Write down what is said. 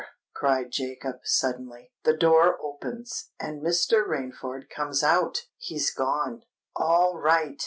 cried Jacob, suddenly: "the door opens—and Mr. Rainford comes out! He's gone." "All right!"